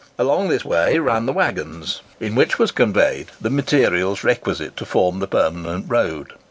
Along this way ran the waggons in which were conveyed the materials requisite to form the permanent road.